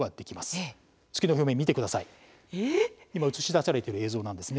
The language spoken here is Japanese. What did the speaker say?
今映し出されてる映像なんですね。